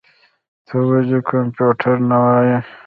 ته ولي کمپيوټر نه وايې؟